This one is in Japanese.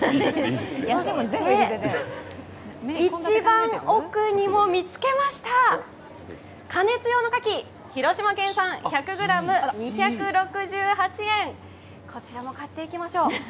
そして、一番奥にも見つけました、加熱用のかき広島県産１００ｇ２６８円、こちらも買っていきましょう。